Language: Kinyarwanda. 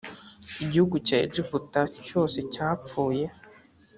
igihugu cya egiputa cyose cyapfuye